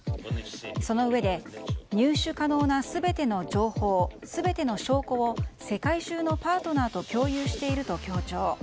そのうえで、入手可能な全ての情報、全ての証拠を世界中のパートナーと共有していると強調。